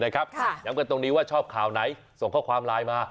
ย้ำกันตรงนี้ว่าชอบข่าวไหนส่งข้อความไลน์มา